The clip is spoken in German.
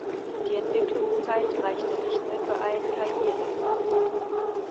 Die Entwicklungszeit reichte nicht mehr für einen Karrieremodus.